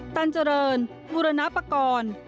ตานเจริญอุลณัปโกรณ์